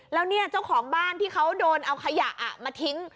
แล้วเนี่ยเจ้าของบ้านที่เขาโดนเอาขยะมาทิ้ง